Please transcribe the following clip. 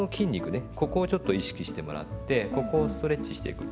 ここをちょっと意識してもらってここをストレッチしていく。